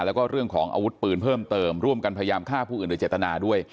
แล้วก็เรื่องของอาวุธปืนเพิ่มเติมร่วมกันพยายามฆ่าผู้อื่นโดยเจตนาด้วย